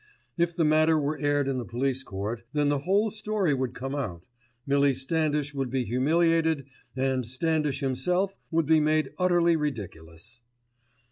If the matter were aired in the police court, then the whole story would come out, Millie Standish would be humiliated and Standish himself would be made utterly ridiculous.